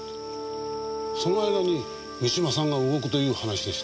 その間に三島さんが動くという話でした。